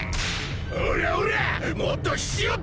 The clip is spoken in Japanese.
おらおら！